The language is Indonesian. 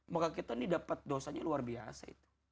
maka kita ini dapat dosanya luar biasa itu